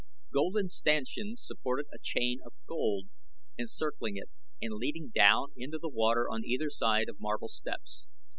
Golden stanchions supported a chain of gold encircling it and leading down into the water on either side of marble steps.